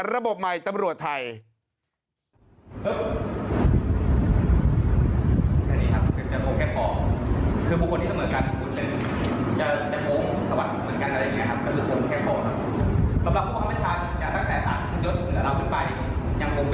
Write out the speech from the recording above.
ระบบใหม่ตำรวจไทย